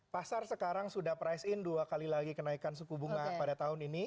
pasar sekarang sudah price in dua kali lagi kenaikan suku bunga pada tahun ini